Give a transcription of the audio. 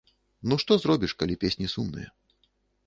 Ну што зробіш, калі песні сумныя?